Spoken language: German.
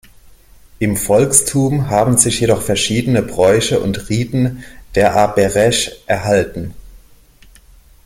Im Volkstum haben sich jedoch verschiedene Bräuche und Riten der Arbëresh erhalten.